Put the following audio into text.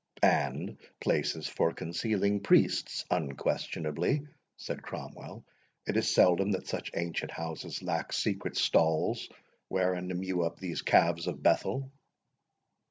"And places for concealing priests, unquestionably," said Cromwell. "It is seldom that such ancient houses lack secret stalls wherein to mew up these calves of Bethel."